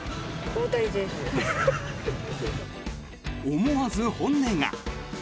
思わず本音が。